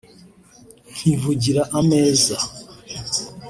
nkivugira ameza